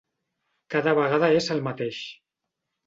Cada vegada és el mateix.